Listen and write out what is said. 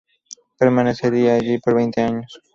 Permanecería allí por veinte años.